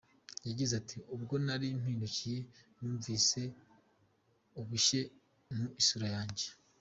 Yagize ati “Ubwo nari mpindukiye, numvise ubushye mu isura yanjye.